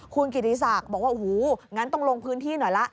คุณกิริษักษ์บอกว่าอู๋อย่างนั้นต้องลงพื้นที่หน่อยล่ะ